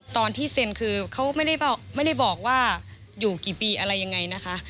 ว่าสัญญามันไม่มีผลนะคะ